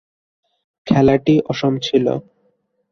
খেলাটি অসম ছিল।